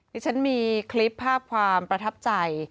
ดิฉันมีคลิปภาพความประทับใจ